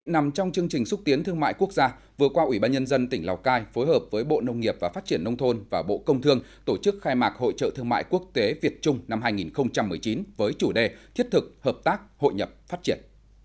nằm trong chương trình xúc tiến thương mại quốc gia vừa qua ủy ban nhân dân tỉnh lào cai phối hợp với bộ nông nghiệp và phát triển nông thôn và bộ công thương tổ chức khai mạc hội trợ thương mại quốc tế việt trung năm hai nghìn một mươi chín với chủ đề thiết thực hợp tác hội nhập phát triển